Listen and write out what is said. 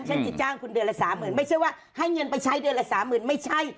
ฉันจะจ้างคุณเดือนละ๓๐๐๐ไม่ใช่ว่าให้เงินไปใช้เดือนละสามหมื่นไม่ใช่